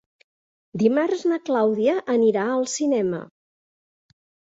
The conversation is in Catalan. Dimarts na Clàudia anirà al cinema.